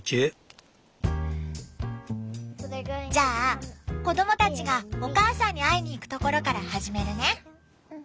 じゃあ子供たちがお母さんに会いに行くところから始めるね。